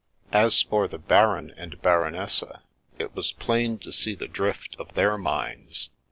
As for the Baron and Baronessa, it was plain to see the drift of their minds.